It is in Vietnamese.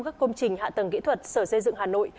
các công trình hạ tầng kỹ thuật sở xây dựng hà nội